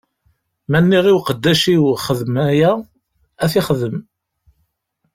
Ma nniɣ i uqeddac-iw: Xdem aya, ad t-ixdem.